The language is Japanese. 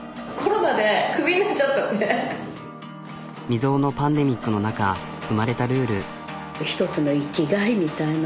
未曽有のパンデミックの中生まれたルール。